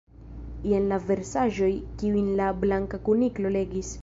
Jen la versaĵoj kiujn la Blanka Kuniklo legis.